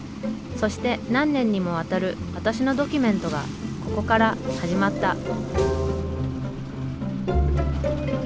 そして何年にもわたる私のドキュメントがここから始まった。